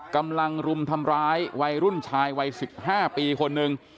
รุมทำร้ายวัยรุ่นชายวัย๑๕ปีคนหนึ่ง